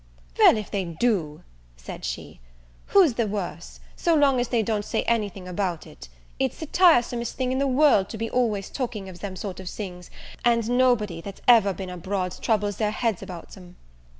"Well, if they do," said she, "who's the worse, so long as they don't say nothing about it? It's the tiresomest thing in the world to be always talking of them sort of things, and nobody that's ever been abroad troubles their heads about them."